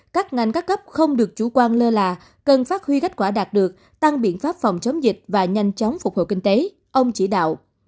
các ngành các cấp không được chủ quan lơ là cần phát huy kết quả đạt được tăng biện pháp phòng chống dịch và nhanh chóng phục hồi kinh tế ông chỉ đạo